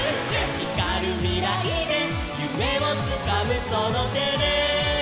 「ひかるみらいでゆめをつかむそのてで」